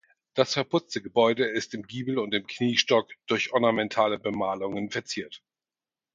Das verputzte Gebäude ist im Giebel und im Kniestock durch ornamentale Bemalungen verziert.